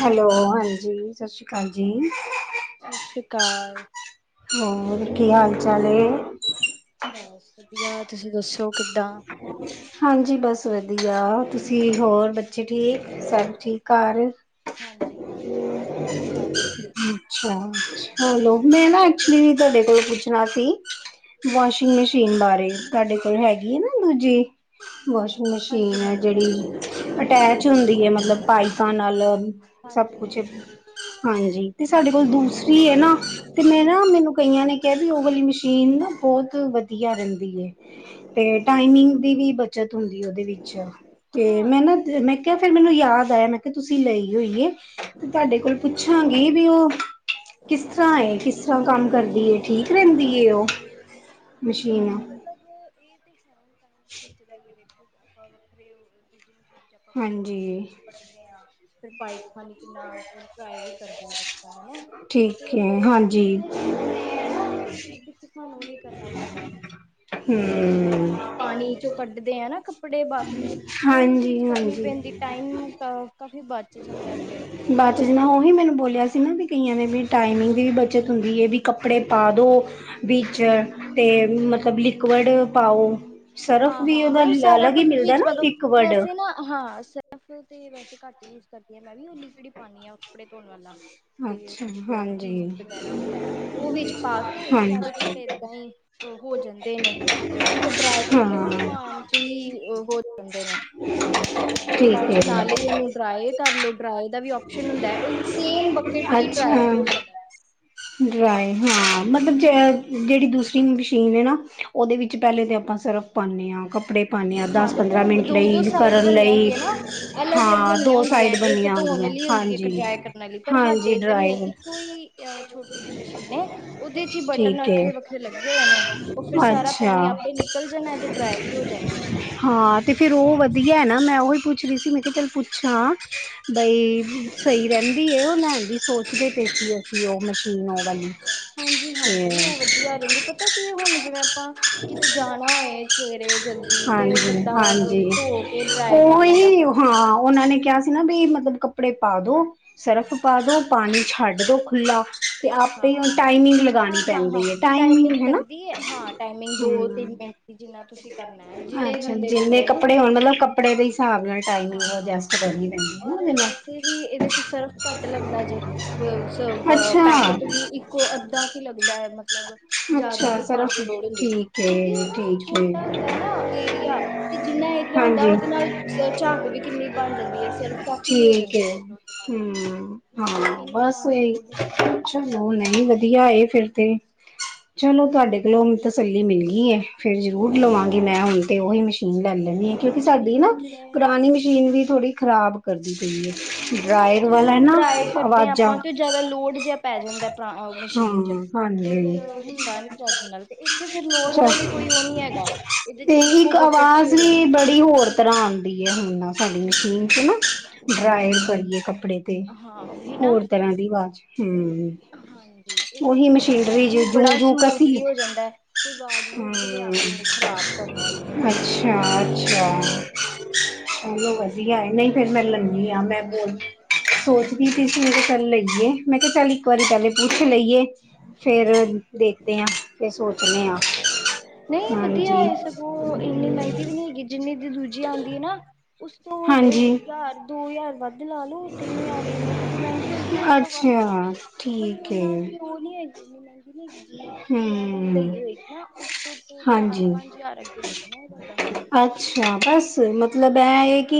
Hello ਹਾਂਜੀ ਸਤਿ ਸ਼੍ਰੀ ਅਕਾਲ ਜੀ ਸਤਿ ਸ੍ਰੀ ਅਕਾਲ ਹੋਰ ਕੀ ਹਾਲ ਚਾਲ ਏ ਬਸ ਵਧੀਆ ਤੁਸੀਂ ਦੱਸੋ ਕਿੱਦਾਂ ਹਾਂਜੀ ਬਸ ਵਧੀਆ ਜੀ ਹੋਰ ਬੱਚੇ ਠੀਕ ਸਭ ਠੀਕ ਘਾਰ ਹਾਂਜੀ ਹਾਂਜੀ ਬਸ ਸਾਰੇ ਠੀਕ ਅੱਛਾ ਅਆ ਹੈਲੋ ਮੈ ਕੀ ਨਾ ਕਰਦੇ ਐਕਚੁਲੀ ਤੁਸੀਂ? ਤੁਹਾਡੇ ਕੋਲ ਪੁੱਛਣਾ ਨਾਤੀ ਈ ਵਾਸ਼ਿੰਗ ਮਸ਼ੀਨ ਲਾ ਰਹੇ ਤੁਹਾਡੇ ਕੋਲ ਹੈਗੀ ਐ ਨਾ ਦੂਜੀ ਵਾਸ਼ਿੰਗ ਹਾਂਜੀ ਮਸ਼ੀਨ ਐ ਹਾਂਜੀ ਜਿਹੜੀ ਹਾਂਜੀ ਅਟੈਚ ਹੁੰਦੀ ਐ ਮਤਲਬ ਪਾਈਪਾਂ ਨਲ ਹਾਂਜੀ ਹਾਂਜੀ ਹਾਂਜੀ ਤੇ ਸਾਡੇ ਕੋਲ ਦੂਸਰੀ ਐ ਨਾ ਤੇ ਮੈਂ ਨਾ ਮੈਨੂੰ ਕਹੀਆਂ ਨੇ ਕਿਹਾ ਸੀ ਉਹ ਵਾਲੀ ਮਸ਼ੀਨ ਨਾ ਬਹੁਤ ਵਧੀਆ ਰਹਿੰਦੀ ਏ ਕੇ ਤੇ ਟਾਈਮਿੰਗ ਦੀ ਵੀ ਬਚਤ ਹੁੰਦੀ ਉਹਦੇ ਵਿੱਚ ਤੇ ਹਾਂ ਮੈਂ ਨਾ ਇਹ ਤੇ ਮੈਂ ਕਿਹਾ ਹੈ। ਫਿਰ ਮੈਨੂੰ ਯਾਦ ਆਇਆ ਮੈਂ ਕਿਹਾ ਤੁਸੀਂ ਲਈ ਹੋਈ ਐ ਤੁਹਾਡੇ ਕੋਲ ਪੁੱਛਾਂਗੀ ਵੀ ਉਹ ਕਿਸ ਤਰ੍ਹਾਂ ਏ ਕਿਸ ਤਰ੍ਹਾਂ ਕੰਮ ਕਰਦੀ ਠੀਕ ਰਹਿੰਦੀ ਉਹ ਹਾਂਜੀ ਮਸ਼ੀਨ ਹਾਂਜੀ ਮਤਲਬ ਇਹ ਤੇ ਹੈ ਕਣ ਬੱਚੇ ਦਾ ਹੀਏ ਵੇਖ ਆਪਾਂ ਵੱਖਰੇ ਉਹ ਗੇ ਸੀ ਜਲਦੀ ਜੇ ਆਪਾਂ ਪਾਣੀ ਹਾਂਜੀ ਕੱਟਦੇ ਹ ਫਿਰ ਪਾਈਪ ਥਾਨੀ ਕਿੰਨਾ ਵੀ ਕਰਦੇ ਹੈਨਾ ਠੀਕ ਹੈ ਤੇ ਹਾਂਜੀ ਇਹਦੇ ਚ ਹੁਣ ਇਹ ਐ ਨਾ ਕਿ ਇਹਦੇ ਸਾਨੂੰ ਉਹ ਨਹੀ ਕਰਨਾ ਪੈਂਦਾ ਅਹ ਜਿਵੇਂ ਹਮ ਆਪਾਂ ਪਾਣੀ ਚੋਂ ਕੱਢਦੇ ਐ ਨਾ ਕੱਪੜੇ ਬਾਥਰੂਮ ਉਹਨੀ ਹਾਂਜੀ ਚੀਜ਼ ਕਰਨੀ ਹਾਂਜੀ ਪ ਟਵਟੀ ਟਾਈਮ ਤਾਂ ਆ ਬਾਦ ਜਿਵੇ ਉਹੀ ਮੈਨੂੰ ਬੋਲਿਆ ਸੀ ਹਾਂ ਨਾ ਵੀ ਕੋਈਆ ਦੀ ਟਾਈਮਿੰਗ ਦੀ ਵੀ ਬੱਚਤ ਹੁੰ ਐ ਵੀ ਕਪੜੇ ਪਾ ਦੋ ਵੀਚ ਤੇ ਮਤਲਬ ਲਿਕਵਡ ਪਾਓ ਸਰਫ ਹਾਂ ਹਾਂ ਵੀ ਹਾਂ ਇਹਦਾ ਮਤਲਬ ਲੀਲ ਆਲਾ ਸਾਰਾ ਈ ਕੁਛ ਮਿਲਦਾ ਵਿੱਚ ਨਾ ਮਤਲਬ ਲਿਕਵਡ ਵੈਸੇ ਨਾ ਹਾਂ ਸਿਰਫ ਤੇ ਵੈਸੇ ਘੱਟ ਹੀ ਯੂਜ ਕਰਦੀ ਹਾਂ ਮੈਂ ਵੀ ਲਿਕਵਡ ਪਾਉਣੀ ਹਾਂ ਕੱਪੜੇ ਧੋਣ ਵਾਲਾ ਆ ਤੇ ਅੱਛਾ ਉਹ ਜਿਹੜਾ ਹਾਂਜੀ ਈਸਟ ਵਗੈਰਾ ਹੁੰਦਾ ਐ ਉਹ ਵਿੱਚ ਪਾ ਕੇ ਹਾਂਜੀ ਸਾਰੇ ਕਪੜੇ ਏਦਾਂ ਈ ਹੋ ਜਾਂਦੇ ਨੇ ਇੱਕ ਡਰਾਇ ਤੇ ਹਾਂ ਘੁਮਾਨ ਚੀ ਹੋ ਜਾਂਦੇ ਨੇ ਤੇ ਫੇਰ ਠੀਕ ਬਾਦ ਚ ਨਾਲ ਹੀ ਉਹਨੂੰ ਡਰਾਏ ਕਰ ਲਓ ਡਰਾਏ ਦਾ ਵੀ ਆਪਸ਼ਨ ਹੁੰਦੈ ਓਹ ਸੇਮ ਬੱਕਟ ਚ ਈ ਡਰਾਏ ਵੀ ਹੋ ਜਾਂਦੈ। ਡਰਾਏ ਹਾਂ ਮਤਲਬ ਜ ਜੇਹੜੀ ਦੂਸਰੀ ਮਸ਼ੀਨ ਏ ਨਾ ਓਦੇ ਵਿੱਚ ਪੈਹਲੇ ਤਾਂ ਆਪਾਂ ਸਰਫ ਪਾਂਨੇ ਆਂ ਕੱਪੜੇ ਪਾਉਂਦੇ ਹਾਂ ਦਸ ਤੇ ਪੰਦਰਾਂ ਮਿੰਟ ਓਹ ਦੋ-ਦੋ ਸਾਈਡ ਕਰਨ ਬਣੀਆਂ ਲਈ ਹੁੰਦੀਆਂ ਨਾ ਅਲੱਗ-ਅਲੱਗ ਬਣੀਆਂ ਦੋ ਹੁੰਦੀਆਂ, ਇੱਕ ਧੋਣ ਆਲੀ ਹੁੰਦੀ ਐ। ਇੱਕ ਡਰਾਏ ਕਰਨ ਆਲੀ, ਪਰ ਹਾਂਜੀ ਹਾਡੇ ਤੇ ਨਈ ਡਰਾਈ ਐ ਇੱਕੋ ਈ ਛੋਟੀ ਜੇਹੀ ਮਸ਼ੀਨ ਏ ਉਦੇ ਚ ਹੀ ਬਟਨ ਕੇ ਵੱਖਰੇ-ਵੱਖਰੇ ਲੱਗੇ ਹੋਏ ਨੇ ਓਹ ਫਿਰ ਸਾਰਾ ਪਾਣੀ ਅੱਛਾ ਆ ਐ ਨਿਕਲ ਜਾਣੈ ਤੇ ਡਰਾਈ ਵੀ ਹੋ ਜਾਣੇ ਨੇ। ਹਾਂ ਤੇ ਫੇਰ ਓਹ ਵਦੀਐ ਨਾ ਮੈਂ ਉਹੀ ਪੁੱਛ ਰੀ ਸੀ ਮੈਂ ਕੇਆ ਚੱਲ ਪੁੱਛਾਂ ਬਈ ਸਹੀ ਰੈਹੰਦੀ ਐ ਓ ਲੈਣ ਦੀ ਸੋਚਦੇ ਪੇਸੀ ਓ ਮਸ਼ੀਨ ਓ ਵਾਲੀ ਹਾਂਜੀ, ਤੇ ਹਾਂਜੀ ਉਹ ਵਧੀਆ ਰੈਹੰਦੇ, ਪਤਾ ਕੀ ਐ ਹੁਣ ਜਿਵੇਂ ਆਪਾਂ ਕਿਤੇ ਜਾਣਾ ਹੋਏ ਸਵੇਰੇ ਜਲਦੀ ਤੇ ਹਾਂਜੀ ਬੰਦਾ ਧੋ ਕੇ ਡਰਾਈ ਕਰ ਲੈਂਦੈ ਉਹੀ ਹਾਂ ਫਟਾਫਟ। ਉਹਨਾਂ ਨੇ ਕਿਹਾ ਨਾ ਵੀ ਮਤਲਬ ਕੱਪੜੇ ਪਾ ਦੋ, ਸਰਫ ਪਾ ਦੋ, ਪਾਣੀ ਛੱਡ ਦੋ ਖੂਲਾੱ ਆਪੇ ਹਾਂ। ਓ ਟਾਈਮਿੰਗ ਲਗਾਣੀ ਪੈਂਦੀ ਹਾਂ-ਹਾਂ-ਹਾਂ ਏ ਟਾਈਮਿੰਗ ਹੈਨਾ, ਲੱਗਦੀ ਹੈ ਹਾਂ ਟਾਈਮਿੰਗ ਦੋ ਹੂੰ। ਤਿੰਨ ਮਿੰਟ ਦੀ ਜਿੰਨਾ ਤੁਸੀਂ ਕਰਨਾ ਹੈ ਜਿੰਨੇ ਅੱਛਾ ਗੰਦੇ ਜਿੰਨੇ ਨੇ ਕੱਪੜੇ ਹੋਣ ਉਨੇ ਮਤਲਬ ਕੱਪੜੇ ਦੇ ਹਿਸਾਬ ਨਾਲ ਟਾਈਮ ਹਾਂ-ਹਾਂ ਏਜੇਂਸਟ ਕਰਨੀ ਪੇਂਦੀਏ ਨਾ ਔਰ ਉਦੇ ਨਾਲ, ਵੈਸੇ ਵੀ ਇਹਦੇ ਚ ਸਰਫ ਘੱਟ ਅੱਛਾ। ਬਟ ਵੀ ਇੱਕੋ ਅੱਧਾ ਕੀ ਲੱਗਦਾ ਹੈ ਮਤਲਬ, ਜ਼ਿਆਦਾ ਅੱਛਾ ਨੀ ਪਾਣ ਦੀ ਲੋੜ ਹੁੰਦੀ। ਠੀਕ ਕਿਉਂਕਿ ਓ ਏ ਨਾ ਠੀਕ ਏ ਛੋਟਾ ਹੁੰਦਾ ਨਾ ਏਰੀਆ, ਤੇ ਜਿੰਨਾ ਏਰੀਆ ਹੁੰਦਾ ਉਹਦੇ ਨਾਲ ਝੰਗ ਵੀ ਕਿੰਨੀ ਬਣ ਜਾਂਦੀ ਐ ਸਿਰਫ ਕਾਫੀ ਹੋ ਠੀਕ ਜਾਂਦੈ। ਹੈ ਹਮ ਤੇ ਹਾਂ ਇੰਨਾ ਬਸ ਪਾਉਣ ਦੀ ਇਹੀ ਲੋੜ ਨੀ ਚਲੋ ਲੋੜ ਨਹੀਂ ਵਧੀਆ ਏ ਫਿਰ ਤੇ, ਚਲੋ ਤੁਹਾਡੇ ਕੋਲੋਂ ਤਸੱਲੀ ਮਿਲ ਗਈ ਹੈ ਫਿਰ ਜ਼ਰੂਰ ਲਵਾਂਗੀ ਮੈਂ ਹੁਣ ਤੇ ਉਹੀ ਮਸ਼ੀਨ ਲੈਣੀ ਲੈਣੀ ਹੈ ਕਿਉਂਕਿ ਹਾਂਜੀ ਸਾਡੀ ਹੁਣ ਨਾ ਜਿਵੇਂ ਪੁਰਾਣੀ ਮਸ਼ੀਨ ਵੀ ਥੋੜ੍ਹੀ ਖਰਾਬ ਕਰਦੀ ਪਈ ਹੈ ਉਹ ਨਾ ਡਰਾਇਰ ਵਾਲਾ ਏ ਨਾ ਅਵਾਜਾਂ ਉਹਦਾ ਲੋੜ ਜਬ ਪੈ ਜਾਂਦਾ ਮਸ਼ੀਨ ਚ ਤੇ ਹਾਂਜੀ ਫੇਰ ਹੁੰਦਾ ਨੀ ਚੱਜ ਨਾਲ ਤੇ ਇੱਥੇ ਫਿਰ ਲੋੜ ਦਾ ਵੀ ਕੋਈ ਉਹ ਨੀ ਹੈਗਾ ਇਹਦੇ ਚ ਤੇ ਇੱਕੋ ਇੱਕ ਬਕਟ ਚ ਹੀ ਆਵਾਜ਼ ਹੋ ਵੀ ਜਾਣਾ ਬੜੀ ਹੋਰ ਤਰ੍ਹਾਂ ਆਉਂਦੀ ਹੈ ਹੁਣ ਨਾ ਸਾਡੀ ਮਸ਼ੀਨ ਚ ਨਾ ਡਰਾਈ ਕਰੀਏ ਕੱਪੜੇ ਤੇ ਹਾਂ ਉਹੀ ਨਾ ਹੋਰ ਤਰ੍ਹਾਂ ਦੀ ਆਵਾਜ ਹੂ, ਹਾਂਜੀ ਇਹਦੇ ਉਹੀ 'ਚ ਹੁਣ ਇਹ ਹੈ ਮਸ਼ੀਨਰੀ ਕਿ ਜੇੜੀ ਬੜਾ ਜੂ-ਜੂ ਕਰਦੀ ਏ। ਸਮੂਦਲੀ ਹੋ ਜਾਂਦਾ ਹੈ ਕੋਈ ਆਵਾਜ਼ ਵੂਜ ਵੀ ਨੀ ਹੂ, ਆਉਂਦੀ ਇੰਨੀ ਖ਼ਰਾਬ ਕਰਨ ਵਾਲੀ ਹਾਂ ਅੱਛਾ-ਅੱਛਾ। ਚਲੋ ਵਧੀਆ ਏ, ਨਈ ਫੇਰ ਮੈ ਲੈਨੀ ਆਂ ਮੈਂ ਬੋਲਨੀ ਆ। ਸੋਚਦੀ ਪਈ ਸੀ ਮੈਂ ਕੇਹਾ ਕੱਲ ਲਇਏ ਮੈਂ ਕਿਹਾ ਚੱਲ ਇੱਕ ਵਾਰੀ ਪਹਿਲੇ ਪੁੱਛ ਲਈਏ, ਫੇਰ ਦੇਖਦੇ ਆਂ। ਹਾਂ-ਹਾਂ, ਨਹੀਂ ਵਧੀਆ ਏ ਸਗੋਂ ਇੰਨੀ ਮਹਿੰਗੀ ਵੀ ਨਹੀ ਹੈਗੀ। ਜਿੰਨੀ ਦੀ ਦੂਜੀ ਆਦੀ ਐ ਨਾ, ਉਸ ਤੋਂ ਹਾਂਜੀ ਹਜਾਰ ਦੋ ਹਜ਼ਾਰ ਵੱਧ ਤੇ ਲਾ ਲਓ, ਏਨੀਆ ਏਨੀ ਕੂ ਦੀ ਮਹਿੰਗੀ ਹੋਏਗੀ ਉਸ ਤੋਂ ਵਾਦ, ਅੱਛਾ ਮਤਲਬ ਠੀਕ ਇੰਨਾ ਕਿ ਹੈ ਉਹ ਨਹੀ ਏਨੀ ਕੂ ਮਹਿੰਗੀ ਨਹੀ ਹੈਗੀ, ਜਿਨੇ ਦੀ ਤੁਸੀ ਤੁਸੀ ਐ ਵਾਲੀ ਲਈ ਹਮ ਹੋਏਗੀ ਨਾ, ਉਸ ਤੋਂ ਤੇ ਹਾਂਜੀ ਚਾਰ-ਪੰਜ ਹਜ਼ਾਰ ਅੱਗੇ ਲੱਗਣਾ ਤੁਹਾਡਾ ਹੋਰ ਦਾ ਅੱਛਾ ਬਸ, ਮਤਲਬ ਐ ਇਹ ਕਿ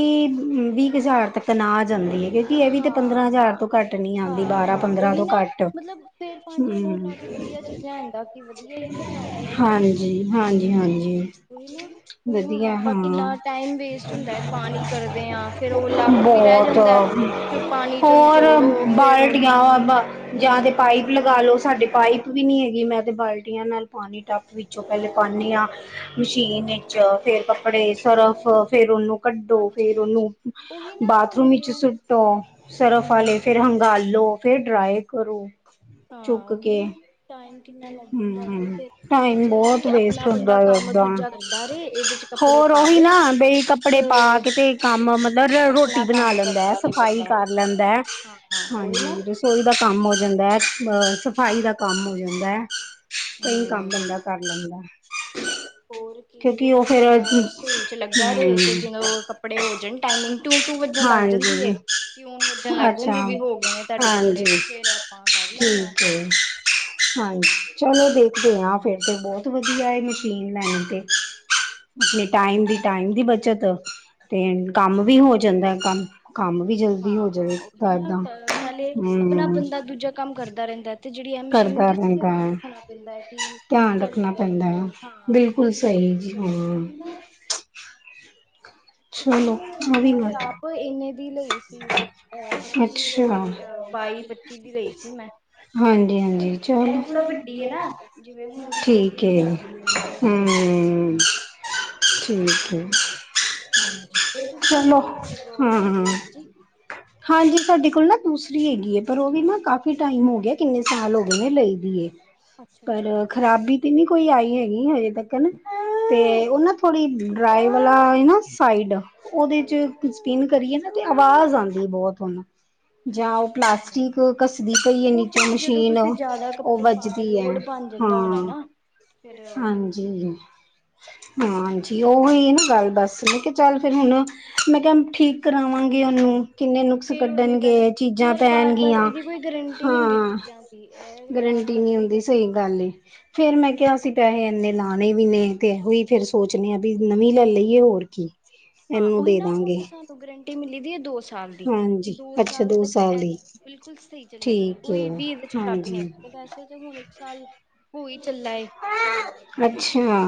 ਵੀਹ ਕੁ ਹਜ਼ਾਰ ਤੱਕ ਤਕ ਆ ਜਾਂਦੀ ਹੈ, ਕਿਉਂਕਿ ਹਾਂ ਇਹ ਵੀ ਤੇ ਪੰਦਰਾਂ ਹਜ਼ਾਰ ਹਾਂ ਤੋਂ ਘੱਟ ਨਹੀ ਆਉਂਦੀ ਬਾਰਾਂਹ ਪੰਦਰਾਂ ਤੋਂ ਘੱਟ ਤੇ ਪੰਜ ਹਜ਼ਾਰ ਹੋਰ ਹਮ ਲਗਾ ਕੇ ਵਧੀਆ ਚੀਜ਼ ਲੈਣ ਦਾ ਕੀ ਵਧੀਆ ਈਏ ਤੇ ਫਾਇਦਾ ਈਏ। ਜੀ ਹਾਂਜੀ-ਹਾਂਜੀ। ਕੋਈ ਹੁਣ ਵਧੀਆ ਆਪਾਂ ਹਾਂ ਕਿੰਨਾ ਟਾਈਮ ਵੇਸਟ ਹੁੰਦਾ ਹੈ ਪਾਣੀ ਕਰਦੇ ਹਾਂ ਫੇਰ ਉਹ ਲੱਕ ਵੀ ਰਹਿ ਬਹੁਤ ਜਾਂਦਾ ਹੈ, ਉਹ ਚ ਪਾਣੀ ਚੋਂ ਹੋਰ ਨਿਚੋੜੋ ਫੇਰ ਬਾਲਟੀਆਂ ਮ ਜਾਂ ਤੇ ਪਾਈਪ ਲਗਾ ਲੋ ਸਾਡੇ ਪਾਈਪ ਵੀ ਨਹੀਂ ਹੈਗੀ ਮੈਂ ਤਾਂ ਬਾਲਟੀਆਂ ਨਾਲ ਪਾਣੀ ਟੱਬ ਵਿੱਚੋਂ ਪਹਿਲੇ ਪਾਨੀ ਆ ਮਸ਼ੀਨ ਵਿੱਚ ਫੇਰ ਕੱਪੜੇ, ਸਰਫ ਫੇਰ ਓਨੂੰ ਕੱਢੋ ਹਾਂਜੀ ਫੇਰ ਹਾਂਜੀ ਉਹਨੂੰ ਉਹੀ ਨਾ ਹੁਣ ਬਾਥਰੂਮ ਵਿੱਚ ਜਿਵੇਂ ਸੁੱਟੋ ਸ਼ਰਫ਼ ਹਮ ਆਲੇ ਹਮ ਫੇਰ ਹੰਗਾਲੋ, ਫੇਰ ਡਰਾਈ ਕਰੋ। ਆਹੋ। ਕੇ ਹੈਨਾ ਟਾਈਮ ਕਿੰਨਾ ਲੱਗ ਜਾਂਦਾ ਏ ਤੇ ਹਮ ਫੇਰ ਇਹਦੇ ਚ ਟਾਈਮ ਏ ਕੀ ਬਹੁਤ ਵੇਸਟ ਆਪਣਾ ਬੰਦਾ ਹੁੰਦਾ ਹੈ ਕੰਮ ਏਦਾਂ ਦੂਜਾ ਕਰਦਾ ਰੇ ਇਹਦੇ ਚ ਕੱਪੜੇ ਹੋਰ ਪਾ ਉਹੀ ਦੇ ਨਾ ਬਈ ਕੱਪੜੇ ਪਾ ਤੇ, ਕੇ ਤੇ ਕੰਮ ਮਤਲਬ ਆਪਨਾ ਰੋਟੀ ਬਣਾ ਲੈਂਦਾ, ਸਫ਼ਾਈ ਕਰ ਲੈਂਦਾ, ਹਾਂ ਹਾਂ ਉਹੀ ਹਾਂਜੀ ਨਾ ਰਸੋਈ ਦਾ ਕੰਮ ਹੋ ਜਾਂਦਾ ਐ ਬਸ ਸ ਸਫ਼ਾਈ ਦਾ ਕੰਮ ਹੋ ਜਾਂਦਾ ਏ, ਕਈ ਹਮ ਕੰਮ ਬੰਦਾ ਕਰ ਲੈਂਦਾ। ਹੋਰ ਕੀ ਇਹਦੇ ਕਿਉਂਕਿ ਉਹ ਨਾਲ ਫੇਰ ਬੰਦਾ ਹਾਂਜੀ ਰਸੋਈ ਚ ਲੱਗਾ ਰਹੇ, ਤੇ ਜਦੋ ਕੱਪੜੇ ਹੋ ਜਾਣ ਟਾਈਮਿੰਗ ਟੂ-ਟੂ ਵੱਜਣ ਲੱਗ ਜਾਂਦੀ ਏ, ਟਿਊਨ ਵੱਜਣ ਲੱਗ ਜਾਂਦੀ ਏ, ਵੀ ਹੋ ਗਏ ਨੇ ਤਹਾਡੇ ਕੱਪੜੇ ਤੇ ਫੇਰ ਅ [unintelligible] ਠੀਕ ਏ ਹਾਂਜੀ, ਚਲੋ ਦੇਖਦੇ ਆ ਫੇਰ ਤੇ ਬਹੁਤ ਵਧੀਆ ਐ ਮਸ਼ੀਨ ਲੈਨੀ ਤੇ। ਆਪਣੇ ਟਾਈਮ ਦੀ ਟਾਈਮ ਦੀ ਬੱਚਤ, ਤੇ ਕੰਮ ਵੀ ਹੋ ਜਾਂਦਾ ਕੰਮ ਕੰਮ ਵੀ ਜਲਦੀ ਹੋ ਹਾਂ, ਹਾਂ ਉਹੀ ਜਾਏਗਾ ਨਾ ਏਦਾਂ ਨਾਲੇ ਆਪਣਾ ਹਮ ਬੰਦਾ ਦੂਜਾ ਕੰਮ ਕਰਦਾ ਰਹਿੰਦਾ, ਤੇ ਜਿਹੜੀ ਏ ਮਸ਼ੀਨ ਕਰਦਾ ਹੁੰਦੀ ਰਹਿੰਦਾ ਧਿਆਨ ਹੈ ਰੱਖਣਾ ਪੈਂਦਾ ਕਿ ਧਿਆਨ ਚੱਲ ਰੱਖਣਾ ਅ ਪੈਂਦਾ ਹੈ ਅ ਹਾਂ ਬਿਲਕੁਲ ਇੱਕ ਸਹੀ ਕੱਪੜੇ ਜੀ ਫੇਰ ਉਹੀ ਹਾਂ ਨਾ ਚਲੋ ਉਹ ਵੀ ਮੈਂ ਤੇ ਆਪ ਇੰਨੇ ਦੀ ਲਈ ਸੀ। ਅ ਪੱਚੀ ਕ ਰਪਏ ਅੱਛਾ ਦੀ ਅਹ ਬਾਈ-ਪੱਚੀ ਦੀ ਲਈ ਸੀ ਮੈਂ ਹਾਂਜੀ ਹਾਂਜੀ ਐਹ ਥੋੜਾ ਚਲੋ ਵੱਡੀ ਏ ਨਾ, ਜਿਵੇਂ ਹੁਣ ਛੋਟੀ ਵੀ ਆਂਦੀ ਏ ਏਦੇ ਤੋਂ ਸਾਈਜ਼ ਹੂੰ। ਠੀਕ ਹਾਂਜੀ, ਫੇਰ ਤੁਸੀਂ ਚਲੋ ਕਿਹੜੀ ਮਤਲਬ ਉਹ ਲਈ ਦੀ ਹਾਂ ਏ ਦੂਜੀ। ਹਾਂਜੀ, ਸਾਡੇ ਕੋਲ ਨਾ ਦੂਸਰੀ ਹੈਗੀ ਏ। ਪਰ ਉਹ ਵੀ ਨਾ ਕਾਫੀ ਟਾਈਮ ਹੋ ਗਿਆ ਕਿੰਨੇ ਸਾਲ ਹੋ ਗਏ ਨੇ ਲਈ ਦੀ ਏ, ਅੱਛਾ ਪਰ ਅੱਛਾ ਖ਼ਰਾਬੀ ਤੇ ਨੀ ਕੋਈ ਆਈ ਹੈਗੀ ਹਜੇ ਤੱਕਨ ਤੇ ਅੱਛਾ ਉਹਨਾਂ ਡਰਾਈ ਵਾਲਾ ਏ ਨਾ ਸਾਈਡ ਉਹਦੇ ਚ ਹਾਂਜੀ ਕੁਝ ਪਿੰਨ ਕਰੀਏ ਨਾ ਤੇ ਆਵਾਜ਼ ਆਂਦੀ ਏ ਬਹੁਤ ਹੁਣ ਜਾਂ ਉਹ ਅੱਛਾ ਅੱਛਾ ਪਲਾਸਟਿਕ ਘੱਸਦੀ ਪਈ ਏ ਉਹ ਨੀਚੋ ਫਿਰ ਮਸ਼ੀਨ, ਉਹ ਵੱਜਦੀ ਐ ਬਨ ਜਾਂਦਾ ਹੋਣਾ ਨਾ, ਫੇਰ ਉਹ ਹਿਲਦੀ ਏ, ਹੂੰ ਏ ਉਹੀ ਐ ਨਾ ਗੱਲ ਬਸ ਮੈਂ ਕਿਹਾ ਚੱਲ ਫਿਰ ਹੁਣ, ਮੈਂ ਕਿਹਾ ਠੀਕ ਕਰਾਵਾਗੀ ਉਹਨੂੰ ਕਿੰਨੇ ਨੁਕਸ ਫਿਰ ਓਨੇ ਪੈਸੇ ਕੱਢਣਗੇ ਚੀਜ਼ਾਂ ਯਾਰ ਬਾਰ-ਬਾਰ ਪੈਣਗੀਆਂ ਇਹਦੀ ਕੋਈ ਗਰੰਟੀ ਨਹੀਂ ਹੁੰਦੀ ਹਾਂ। ਚੀਜ਼ਾਂ ਦੀ ਇਹ ਖ਼ਰਾਬ ਗਰੰਟੀ ਨਈ ਕਰਦੇ ਹੀ ਹੁੰਦੀ ਕਰਦੇ। ਸਹੀ ਗੱਲ ਏ ਫੇਰ, ਮੈਂ ਕਿਹਾ ਅਸੀ ਪੈਹੇ ਇੰਨੇ ਲਾਣੇ ਵੀ ਨੇ ਤੇ ਇਹੋ ਹੀ ਫਿਰ ਸੋਚਨੇ ਆ ਵੀ ਨਵੀਂ ਲੈ ਲਈਏ ਹੋਰ ਕੀ ਹਾਂ ਇਹਨੂੰ ਉਹੀ ਦੇ ਨਾ ਹੁਣ ਦਾਂਗੇ। ਸਾਨੂੰ ਗਰੰਟੀ ਮਿਲੀ ਦੀ ਏ ਦੋ ਸ ਸਾਲ ਦੀ ਕਿ ਹਾਂਜੀ ਦੋ ਅੱਛਾ ਸਾਲ ਤੱਕ ਇਹ ਦੀ ਬਿਲਕੁਲ ਸਹੀ ਚੱਲੇਗੀ ਠੀਕ ਏ ਕੋਈ ਵੀ ਇਹਦੇ ਚ ਖਰਾਬੀ ਹਾਂਜੀ ਨਹੀਂ ਵੈਸੇ ਤੇ ਹੁਣ ਇੱਕ ਸਾਲ ਹੋਈ ਚੱਲਾ ਏ, ਤੇ ਅੱਛਿਆ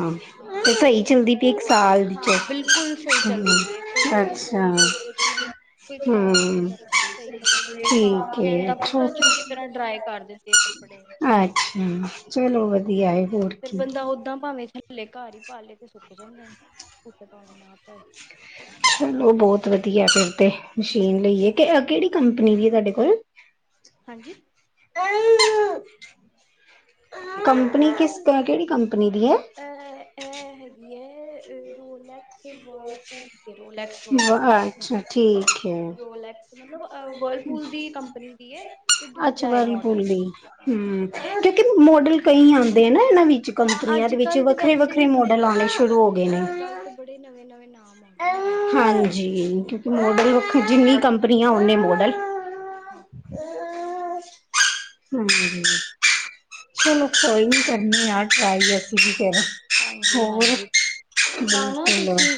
ਹਾਂ, ਤੇ ਹੁਣ ਤੱਕ ਕੋਈ ਖਰਾਬੀ, ਚ ਹਾਂ ਬਿਲਕੁਲ ਸਹੀ ਚੱਲਦੀ ਪਈ ਏ ਕੋਈ ਟਿਊਨ ਨੀ ਅੱਛਾ ਕੋਈ ਕ ਨਹੀਂ ਕੋਈ ਖ਼ਰਾਬੀ ਨ ਹਮ ਕਰਦੀ, ਸਹੀ ਕੱਪੜੇ ਸੂਕਾ ਠੀਕ ਵੀ ਇਜ ਏ ਦਾ ਅੱਛਾ, ਪੂਰਾ, ਚ ਚੰਗੀ ਤਰ੍ਹਾਂ ਡਰਾਈ ਕਰਦੀ। ਅੱਛਾ, ਚਲੋ ਵਧੀਆ ਹੈ, ਹੋਰ ਕੀ। ੳਹ ਦਾ ਭਾਵੇਂ ਥੱਲੇ ਘਰ ਹੀ ਪਾ ਲਏ, ਤੇ ਸੁੱਕ ਜਾਂਦੇ ਨੇ ੳਪਰ ਭਾਵੇਂ ਨਾ ਪਾਏ। ਚਲੋ ਬਹੁਤ ਵਧੀਆ ਫਿਰ ਤੇ ਮਸ਼ੀਨ ਲਈ ਐ ਕਿਹੜੀ ਕੰਪਨੀ ਦੀ ਤੁਹਾਡੇ ਕੋਲ, [unintelligible] ਹਾਂਜੀ। ਕੰਪਨੀ, ਕਿਸ ਕਿਹੜੀ ਕੰਪਨੀ ਦੀ ਹੈ। ਐ ਇਹ ਹੈਗੀ ਹੈ। ਰੋ ਲੈਕਸ, ਜੀ ਵਰਲ ਕੁਲ ਕੇ, ਰੋਲੈਕ ਗੋਕੁਲ ਦੀ ਅੱਛਾ ਠੀਕ ਏ। ਰੋਲੈਕ। ਮਤਲਬ, ਵਰਲਪੂਲ ਦੀ ਕੰਪਨੀ ਦੀ ਹੈ। ਅਤੇ ਦੂਜਾ ਹੈ। ਮਾਡਲ, ਹਾਂ ਲੇਕਿਨ, ਮੋਡਲ ਕਈ ਆਉਂਦੇ ਆ ਨਾ ਨਵੀ, ਹਾਂ ਕੰਪਨੀਆਂ, ਅੱਜ ਦੇ ਵਿੱਚ ਕੱਲ ਤੇ ਵੈਸੇ ਵੱਖਰੇ-ਵੱਖਰੇ ਵੀ ਬੜੇ ਮੋਡਲ ਆਉਣੇ ਸ਼ੁਰੂ ਹੋ ਗਏ ਨੇ। ਅੱਜ ਕੱਲ੍ਹ ਤੇ, ਬੜੇ ਨਵੇਂ-ਨਵੇਂ ਨਾਮ। ਆ ਗਏ ਨੇ ਉਹ ਹਾਂਜੀ, ਕਿਉਂਕਿ ਮੋਡਲ ਵੱਖ, ਜਿੰਨੀ ਕੰਪਨੀਆ ਓਨੇ ਮੋਡਲ। ਹਾਂ, ਨਾ ਹਮ, ਚਲੋ ਕੋਈ, ਕਰਨੀ ਆ ਟਰਾਈ ਅਸੀਂ ਕੀ ਕਰਾਂ। ਹੋਰ, ਆਣਾ ਤੁਸੀ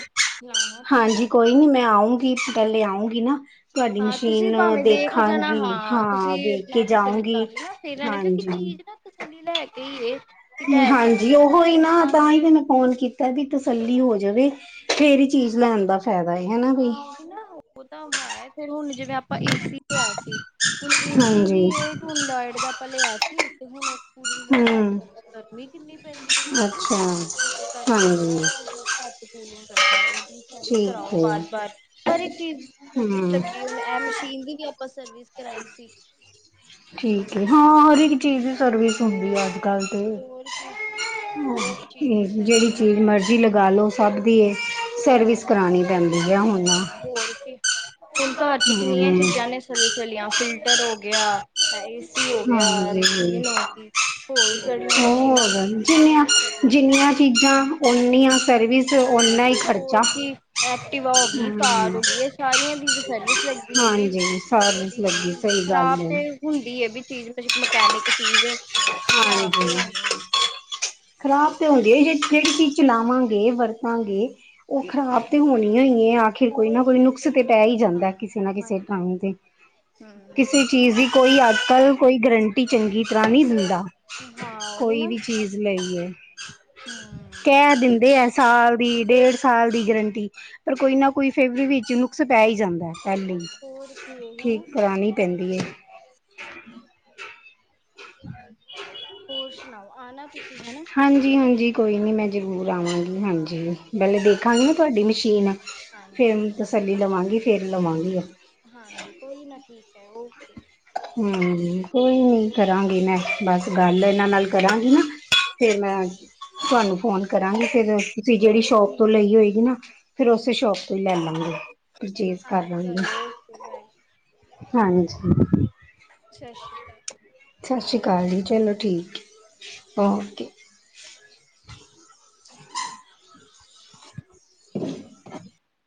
ਲਾਨਾ ਹਾਂਜੀ ਚੱਕਰ। ਕੋਈ ਮੈਂ ਆਊਂਗੀ, ਪਹਿਲੇ ਆਊਂਗੀ ਨਾ। ਤੁਹਾਡੀ ਹਾਂ ਤੁਸੀਂ ਮਸ਼ੀਨ ਭਾਵੇਂ ਦੇਖ ਜਾਣਾ ਦੇਖਾਂਗੀ ਹਾਂ, ਵੇਖ ਕੇ ਜਾਊਂਗੀ। ਸਹੀ ਰਹਿਣਾ, ਕਿਉਂਕਿ ਹਾਂਜੀ ਚੀਜ਼ ਨਾ ਤਸੱਲੀ ਲੈ ਕੇ ਹੀ ਵੀ ਲੈ ਹਾਂਜੀ ਸਕਦੇ ਹਾਂ। ਉਹੋ ਹੀ ਨਾ ਓਦਾਂ, ਤਾਂ ਹੀ ਤੇ ਮੈਂ ਫੋਨ ਕੀਤਾ ਵੀ ਤਸੱਲੀ ਹੋ ਜਾਵੇ। ਫੇਰ ਹੀ ਚੀਜ਼ ਲੈਣ ਦਾ ਫਾਇਦਾ, ਹਨਾ ਬਈ। ਹਾਂ ਉਹਦੀ ਨਾ ਉਹ ਤਾਂ ਹੈ, ਫਿਰ ਹੁਣ ਜਿਵੇਂ ਆਪਾਂ ਏਸੀ ਕਿਆ ਸੀ। ਹੁਣ, ਏਸੀ ਹਾਂਜੀ ਹੀ ਇਹ ਹੁਣ ਨੋਇਡ ਦਾ ਆਪਾ ਲਿਆ ਸੀ, ਤੇ ਹੁਣ ਉਹ ਕੂਲਿੰਗ ਬਹੁਤ ਘੱਟ ਹਮ ਕਰਦਾ, ਗਰਮੀ ਕਿੰਨੀ ਪੈਂਦੀ ਪਈ ਏ, ਅੱਛਾ ਉਹਦੇ ਕਰਕੇ, ਉਹ ਬੜਾ ਹਾਂਜੀ ਮਤਲਬ ਘੱਟ ਕੂਲਿੰਗ ਕਰਦਾ ਹੈ। ਉਹਦੀ ਸਰਵਿਸ ਠੀਕ ਕਰਾਓ। ਹੈ ਬਾਰ-ਬਾਰ ਹਰ ਇੱਕ ਚੀਜ਼ ਦੀ ਸਰਵਿਸ ਹਮ ਲੱਗਦੀ ਹੁਣ, ਇਹ ਮਸ਼ੀਨ ਦੀ ਵੀ ਆਪਾਂ ਸਰਵਿਸ ਕਰਾਈ ਸੀ। ਠੀਕ ਹੈ ਹਾਂ, ਹਰ ਇੱਕ ਚੀਜ਼। ਸਰਵਿਸ ਹੁੰਦੀ ਹੈ ਅੱਜ-ਕੱਲ ਤੇ, ਹੋਰ ਕੀ ਹਰ ਇੱਕ ਚੀਜ਼ ਦੀ ਜਿਹੜੀ ਸਰਵਿਸ ਹੂੰ ਚੀਜ਼ ਮਰਜ਼ੀ ਲਗਾ ਲਓ। ਸਭ ਦੀ ਐ, ਹਮ, ਹੋਰ ਕੀ, ਹੁਣ ਘਰ 'ਚ' ਕਿੰਨੀਆਂ ਚੀਜ਼ਾਂ ਨੇ। ਚਲ ਚਲੀਆਂ, ਫਿਲਟਰ ਹੋ ਗਿਆ ਇਹ ਏਸੀ ਹੋ ਗਿਆ ਇਹ ਮ ਧੋ ਕੇ ਹੋਰ, ਜਿਹੜੀਆਂ ਮਸ਼ੀਨਾਂ ਲੈ ਹੋਰ ਦੀਆਂ ਉਹਦੀ ਜਿੰਨੀਆਂ ਵੀ ਸਰਵਿਸ। ਜਿੰਨੀਆਂ, ਚੀਜ਼ਾਂ ਓਨੀਆਂ ਸਰਵਿਸ। ਓਨਾ ਹੀ ਖਰਚਾ ਹੋਰ ਕੀ, ਐਕਟੀਵਾ ਹੋ ਗਈ, ਕਾਰ ਹੋ ਗਈ, ਇਹ ਸਾਰੀਆਂ ਦੀ ਸਰਵਿਸ, ਲਗ ਬੀਲ ਦੀ ਹਾਂਜੀ ਸਰਵਿਸ ਗਰੰਟੀ, ਲੱਗੀ ਕਿਦੀ ਹੁੰਦੀ ਹੈ ਸਹੀ ਗੱਲ ਖ਼ਰਾਬ ਤੇ, ਹੁੰਦੀ ਇਹ ਵੀ ਚੀਜ਼, ਮਕੈਨਿਕ ਚੀਜ਼ ਐ, ਹਾਂਜੀ, ਖ਼ਰਾਬ ਤੇ ਹੁੰਦਿਆ ਜਿਹੜੀ ਚੀਜ਼ ਚਲਾਵਾਂਗੇ, ਵਰਤਾਂਗੇ। ਉਹ ਖ਼ਰਾਬ, ਤੇ ਹੋਣੀੳ ਏ ਆ। ਆਖਿਰ ਕੋਈ ਹੋਰ ਨਾ ਕੋਈ ਕੀ ਨੁਕਸ ਤੇ ਪੈ ਹੀ ਹਾਂ ਜਾਂਦਾ ਕਿਸੇ ਨਾ ਕਿਸੇ ਹਾਂਜੀ ਥਾ ਹਾਂਜੀ ਤੇ, ਹਮ ਕਿਸੇ ਉਹੀ ਨਾ, ਚੀਜ਼ ਦੀ ਕੋਈ ਅੱਜ ਕੱਲ ਕੋਈ ਗਰੰਟੀ ਚੰਗੀ ਤਰ੍ਹਾਂ ਨਹੀਂ ਦਿੰਦਾ। ਹਾਂ ਉਹੀ ਕੋਈ ਨਾ ਵੀ ਚੀਜ਼ ਲਈਏ। ਹਮ ਕਹਿ ਦਿੰਦੇ ਆ ਸਾਲ ਦੀ ਡੇਢ ਸਾਲ ਦੀ ਗਰੰਟੀ। ਪਰ ਕੋਈ ਨਾ ਕੋਈ ਫਿਰ ਵੀ ਵਿੱਚ ਨੁਕਸ ਪੈ ਹੀ ਜਾਂਦਾ। ਪਹਿਲੇ ਹੀ, ਹੋਰ ਕੀ ਇਹੀ ਨਾ ਠੀਕ ਕਰਾਣੀ ਪੈਂਦੀ ਹੈ। ਹਾਂ। ਹੋਰ ਸੁਣਾਓ ਆਣਾ ਤੁਸੀਂ ਹਨਾ ਠੀਕ ਹੈ। ਹਾਂਜੀ-ਹਾਂਜੀ, ਕੋਈ ਨੀ, ਮੈਂ ਜ਼ਰੂਰ ਆਵਾਂਗੀ, ਹਾਂ ਹਾਂਜੀ। ਫਿਰ ਪਹਿਲੇ ਆਪਾਂ ਦੇਖਾਂਗੀ ਕੋਈ ਨਾ, ਤੁਹਾਡੀ ਮਸ਼ੀਨ। ਹਾਂਜੀ। ਫਿਰ ਤਸੱਲੀ ਲਵਾਂਗੀ, ਫਿਰ ਲਵਾਂਗੀ ਉਹ। ਹਾਂਜੀ ਕੋਈ ਨਾ, ਠੀਕ ਹੈ, ਓਕੇ। ਹੂੰ, ਕੋਈ ਨੀ ਕਰਾਂਗੀ ਮੈਂ ਬਸ ਗੱਲ, ਇਹਨਾਂ ਨਾਲ ਕਰਾਂਗੀ ਨਾ ਫੇਰ, ਮੈਂ ਤੁਹਾਨੂੰ ਫੋਨ ਕਰਾਂਗੇ ਫੇਰ, ਤੁਸੀਂ ਜਿਹੜੀ ਚਲੋ ਸ਼ੋਪ ਤੋਂ ਠੀਕ ਲਈ ਹੈ ਹੋਏਗੀ ਨਾ, ਫੇਰ ਉਸੇ ਸ਼ੋਪ ਤੋਂ ਹੀ ਲੈ ਲਾਂਗੇ। ਪਰਚੇਸ ਹਾਂ ਕਰ ਲਾਂਗੇ ਚਲੋ, ਓਕੇ ਬਾਏ। ਹਾਂਜੀ। ਸਤਿ ਸ਼੍ਰੀ ਅਕਾਲ। ਸਤਿ ਸ਼੍ਰੀ ਅਕਾਲ ਜੀ, ਚਲੋ ਠੀਕ ਹੈ, ਓਕੇ। ਹਾਂਜੀ।